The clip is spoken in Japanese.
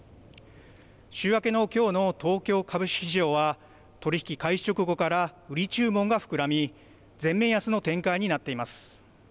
週明けのきょうの東京株式市場は取り引き開始直後から売り注文が膨らみ全面安の展開になっています。